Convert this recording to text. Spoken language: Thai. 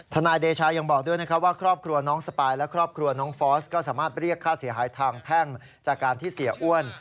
นายเดชายังบอกด้วยนะครับว่าครอบครัวน้องสปายและครอบครัวน้องฟอสก็สามารถเรียกค่าเสียหายทางแพ่งจากการที่เสียอ้วน